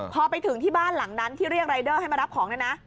พอไปถึงที่บ้านหลังนั้นที่เรียกรายเดอร์ให้มารับของเนี่ยนะ